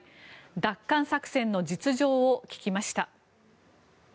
奪還作戦の実情を聞きました。